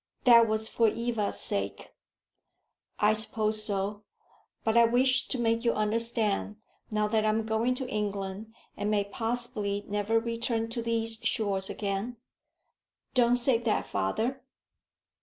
"That was for Eva's sake." "I suppose so. But I wish to make you understand, now that I am going to England, and may possibly never return to these shores again " "Don't say that, father."